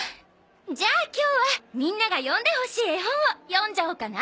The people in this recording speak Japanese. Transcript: じゃあ今日はみんなが読んでほしい絵本を読んじゃおうかな。